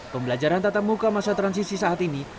pembelajaran tatamuka masa transisi saat ini